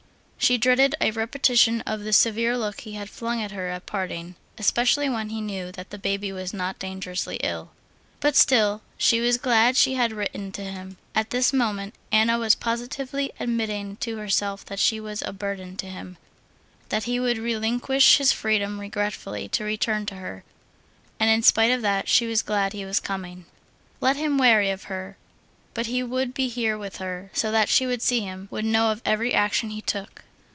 She dreaded a repetition of the severe look he had flung at her at parting, especially when he knew that the baby was not dangerously ill. But still she was glad she had written to him. At this moment Anna was positively admitting to herself that she was a burden to him, that he would relinquish his freedom regretfully to return to her, and in spite of that she was glad he was coming. Let him weary of her, but he would be here with her, so that she would see him, would know of every action he took.